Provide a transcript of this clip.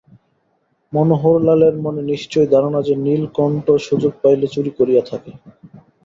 মনোহরলালের মনে নিশ্চয় ধারণা যে নীলকণ্ঠ সুযোগ পাইলে চুরি করিয়া থাকে।